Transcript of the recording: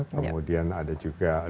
kemudian ada juga private